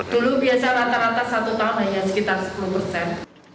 dulu biasa rata rata satu tahun hanya sekitar sepuluh persen